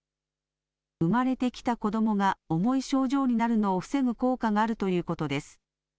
生まれてきた子どもが重い症状になるのを防ぐ効果があるということです。